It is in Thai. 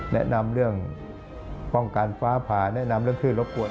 แนะนำเรื่องป้องกันฟ้าผ่าแนะนำเรื่องขึ้นรบกวน